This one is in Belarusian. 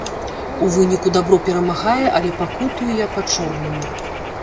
У выніку дабро перамагае, але пакутую я па-чорнаму.